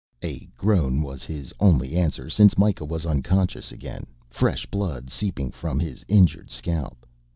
A groan was his only answer since Mikah was unconscious again, fresh blood seeping from his injured scalp.